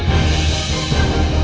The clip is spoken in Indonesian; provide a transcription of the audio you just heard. pergi gue nunggu